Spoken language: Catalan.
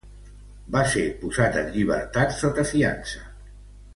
Va ser posat en llibertat sota fiança.